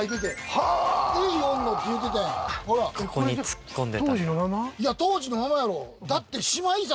いや当時のままやろだって。